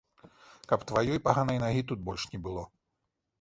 Каб тваёй паганай нагі тут больш не было!